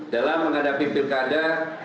dalam menghadapi pirkada